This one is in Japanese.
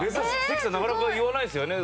関さんなかなか言わないですよね